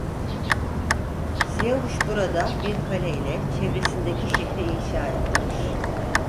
Sivayuş burada bir kale ile çevresindeki şehri inşa ettirir.